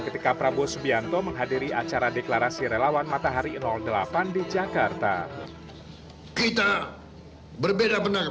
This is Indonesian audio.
ketika prabowo subianto menghadiri acara deklarasi relawan matahari delapan di jakarta kita berbeda benar